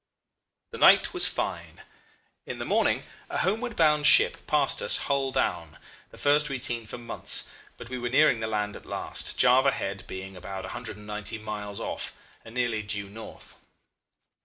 "The night was fine. In the morning a homeward bound ship passed us hull down, the first we had seen for months; but we were nearing the land at last, Java Head being about 190 miles off, and nearly due north.